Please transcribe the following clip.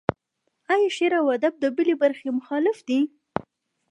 ایا شعر و ادب د بلې برخې مخالف دی.